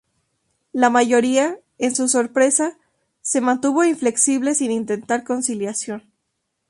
La mayoría, en su sorpresa, se mantuvo inflexible sin intentar conciliación.